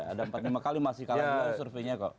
ada empat lima kali masih kalah juga surveinya kok